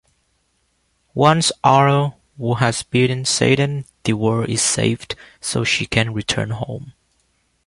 Once Arle has beaten Satan, the world is saved, so she can return home.